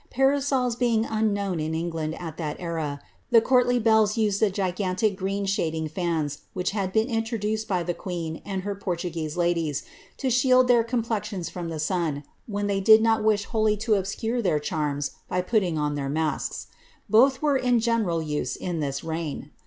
Parasols being unknown in England at that era, the courtly belles used the gigantic green shading fans, which had been introduced by the queen and her Portuguese ladies, to shield their complexions from the sun, when they did not wish wholly to ob scure their charms by putting on their masks. Both were in general use in this reign.